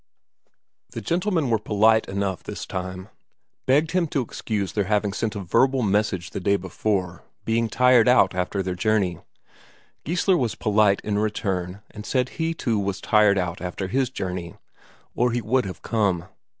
The gentlemen were polite enough this time; begged him to excuse their having sent a verbal message the day before, being tired out after their journey. Geissler was polite in return, and said he too was tired out after his journey, or he would have come.